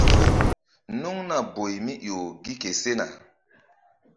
Nuŋna boy mí ƴo gi ke sena.